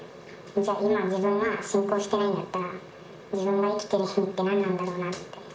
今、自分が信仰してないんだったら、自分が生きてる意味って何なんだろうなって。